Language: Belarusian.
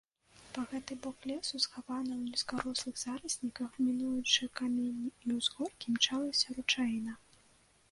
Па гэты бок лесу, схаваная ў нізкарослых зарасніках, мінаючы каменні і ўзгоркі, імчалася ручаіна.